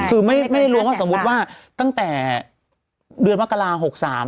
คือไม่รวมว่าสมมุติว่าตั้งแต่เดือนมกรา๖๓